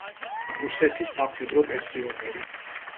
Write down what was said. რუსეთის სამხედრო პენსიონერი.